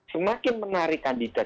semakin menarik kandidat